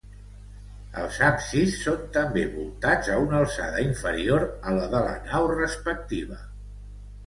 Els absis són també voltats a una alçada inferior a la de la nau respectiva.